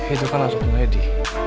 itu kan anaknya lady